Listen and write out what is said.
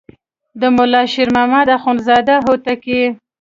د ملا شیر محمد اخوندزاده هوتکی.